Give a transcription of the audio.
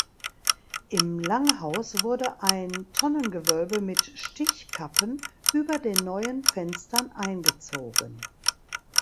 Im Langhaus wurde ein Tonnengewölbe mit Stichkappen über den neuen Fenstern eingezogen.